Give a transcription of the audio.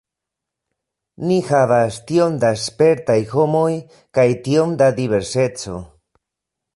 Ni havas tiom da spertaj homoj kaj tiom da diverseco.